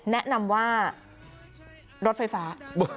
แนะนำว่ารถไฟฟ้า